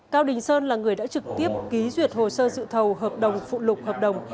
cao đình sơn là người đã trực tiếp ký duyệt hồ sơ dự thầu hợp đồng phụ lục hợp đồng